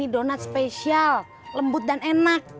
donat spesial lembut dan enak